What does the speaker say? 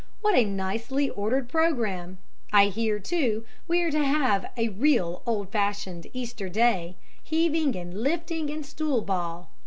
"What a nicely ordered programme! I hear, too, we are to have a real old fashioned Easter Day heaving and lifting, and stool ball.